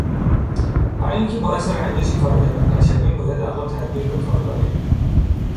برای اینکه باعث رنجش کارگران نشویم باید عقل و تدبیر به کار بریم.